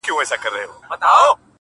که دې د سترگو له سکروټو نه فناه واخلمه،